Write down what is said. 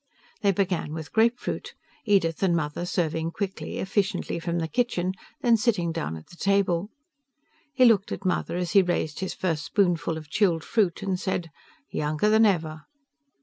They began with grapefruit, Edith and Mother serving quickly, efficiently from the kitchen, then sitting down at the table. He looked at Mother as he raised his first spoonful of chilled fruit, and said, "Younger than ever."